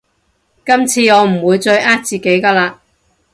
今次我唔會再呃自己㗎喇